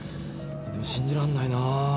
でも信じらんないなぁ。